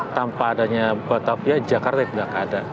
tanpa adanya batavia jakarta tidak ada